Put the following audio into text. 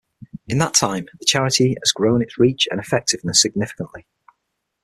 In that time the charity has grown its reach and effectiveness significantly.